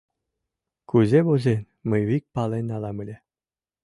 Кузе возен, мый вик пален налам ыле.